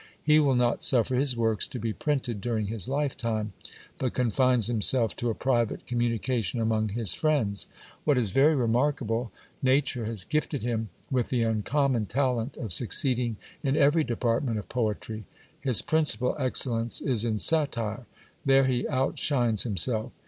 He will not suffer his works to be printed during his life time ; but confines himself to a private communication among his friends. What is very remarkable, nature has gifted him with the uncommon talent of GIL BIAS DINES WIT H FABRIC a* succeeding in every department of poetry. His principal excellen there he outshines himself.